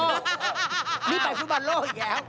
นี่ไปฟุตบอลโลกอีกแล้ว